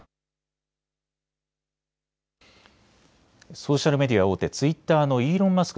ソーシャルメディア大手、ツイッターのイーロン・マスク